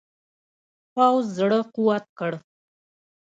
پوځ زړه قوت کړ.